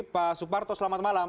pak suparto selamat malam